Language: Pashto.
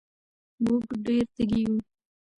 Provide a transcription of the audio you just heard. مونږ ډېر تږي وو